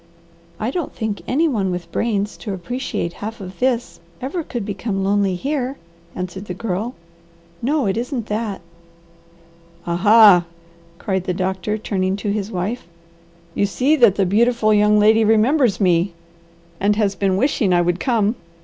"I don't think any one with brains to appreciate half of this ever could become lonely here," answered the Girl. "No, it isn't that." "A ha!" cried the doctor, turning to his wife. "You see that the beautiful young lady remembers me, and has been wishing I would come.